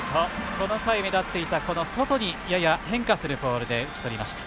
この回、目立っていた外にやや変化するボールで打ちとりました。